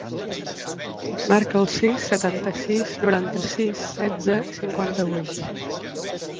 Marca el sis, setanta-sis, noranta-sis, setze, cinquanta-vuit.